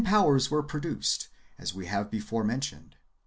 powers were produced, as we have before mentioned.